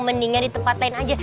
mendingan di tempat lain aja